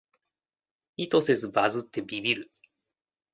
意図せずバズってビビる